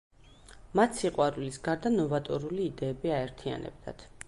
მათ სიყვარულის გარდა ნოვატორული იდეები აერთიანებდათ.